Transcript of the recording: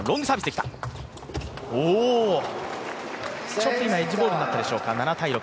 ちょっとエッジボールになったでしょうか。